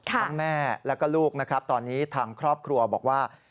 ทั้งแม่และก็ลูกตอนนี้ทางครอบครัวบอกว่า